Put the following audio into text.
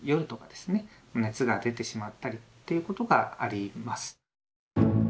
熱が出てしまったりということがあります。